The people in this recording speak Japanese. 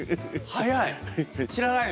早い。